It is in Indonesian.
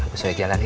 kang kusoy jalan ya